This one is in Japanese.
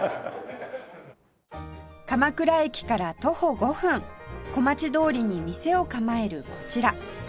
鎌倉駅から徒歩５分小町通りに店を構えるこちら